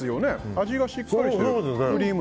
味がしっかりしてる。